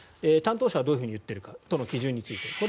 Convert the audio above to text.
担当者はどのように言っているか都の基準について。